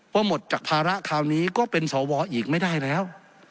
หมดจากภาระคราวนี้ก็เป็นสวอีกไม่ได้แล้ว